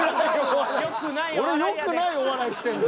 俺よくないお笑いしてんの？